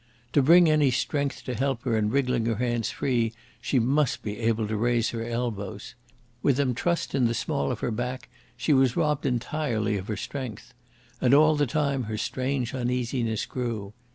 To bring any strength to help her in wriggling her hands free she must be able to raise her elbows. With them trussed in the small of her back she was robbed entirely of her strength. And all the time her strange uneasiness grew.